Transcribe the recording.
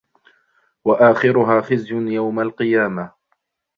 وَآخِرُهَا خِزْيٌ يَوْمَ الْقِيَامَةِ